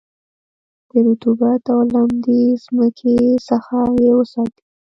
د رطوبت او لمدې مځکې څخه یې وساتی.